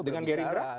dengan gerindra juga